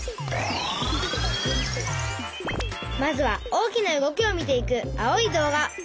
まずは大きな動きを見ていく青い動画。